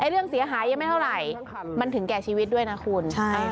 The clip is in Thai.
เรื่องเสียหายยังไม่เท่าไหร่มันถึงแก่ชีวิตด้วยนะคุณ